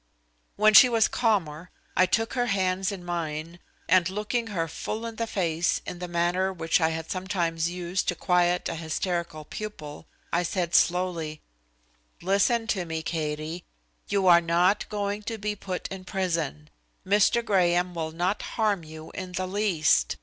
When she was calmer I took her hands in mine and, looking her full in the face in the manner which I had sometimes used to quiet an hysterical pupil, I said slowly: "Listen to me, Katie. You are not going to be put in prison. Mr. Graham will not harm you in the least.